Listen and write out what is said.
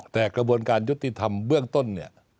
แต่กระบวนการยุติธรรมเบื้องต้นเนี่ย